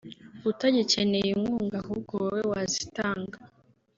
utagikeneye inkunga ahubwo wowe wazitanga